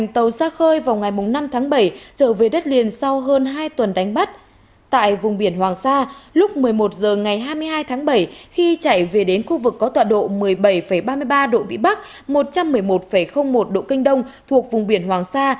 trước một mươi một h ngày hai mươi hai tháng bảy khi chạy về đến khu vực có tọa độ một mươi bảy ba mươi ba độ vĩ bắc một trăm một mươi một một độ kinh đông thuộc vùng biển hoàng sa